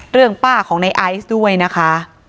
เรื่องป้าของในไอซ์ด้วยนะคะ